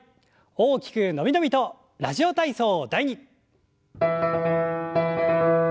大きく伸び伸びと「ラジオ体操第２」。